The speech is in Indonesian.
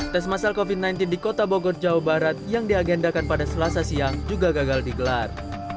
tes masal covid sembilan belas di kota bogor jawa barat yang diagendakan pada selasa siang juga gagal digelar